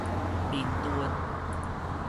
明墩